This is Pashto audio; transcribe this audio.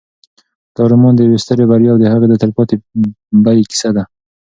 دا رومان د یوې سترې بریا او د هغې د تلپاتې بیې کیسه ده.